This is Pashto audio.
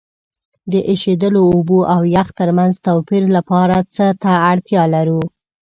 د ایشیدلو اوبو او یخ ترمنځ توپیر لپاره څه ته اړتیا لرو؟